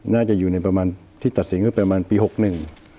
น่าจะอยู่ในประมาณที่ตัดสินก็ประมาณปีหกหนึ่ง